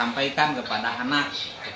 sampaikan kepada anak